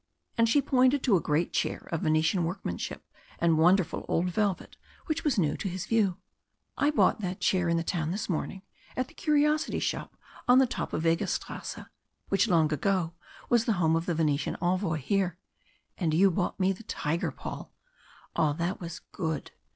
And she pointed to a great chair of Venetian workmanship and wonderful old velvet which was new to his view. "I bought that chair in the town this morning at the curiosity shop on the top of Weggisstrasse, which long ago was the home of the Venetian envoy here and you bought me the tiger, Paul. Ah! that was good.